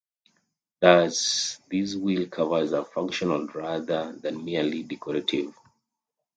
Thus, these wheel covers are functional rather than merely decorative.